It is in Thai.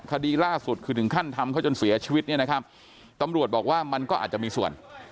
คดีล่าสุดคือถึงขั้นทำเขาจนเสียชีวิตเนี่ยนะครับตำรวจบอกว่ามันก็อาจจะมีส่วน